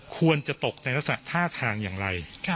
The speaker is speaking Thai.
ควรจะตกในลักษณะท่าทางอย่างไร